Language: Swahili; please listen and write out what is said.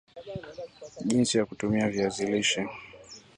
Jinsi ya kutumia viazi lishe